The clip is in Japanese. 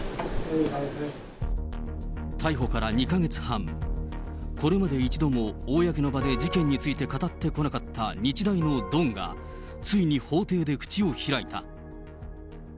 逮捕から２か月半、これまで一度も公の場で事件について語ってこなかった日大のドンが、ついに法廷で口を開いた。